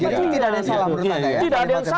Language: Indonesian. jadi tidak ada yang salah menurut anda ya